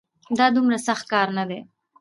دا دومره سخت کار نه دی